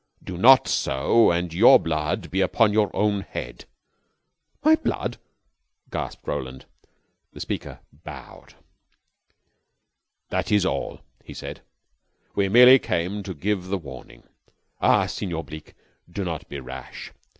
Do not so, and your blood be upon your own head." "My blood!" gasped Roland. The speaker bowed. "That is all," he said. "We merely came to give the warning. Ah, Senor Bleke, do not be rash.